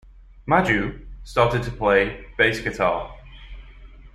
"Maju" started to play "bass guitar".